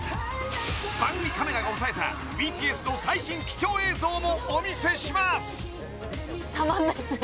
番組カメラが押さえたＢＴＳの最新貴重映像もお見せします。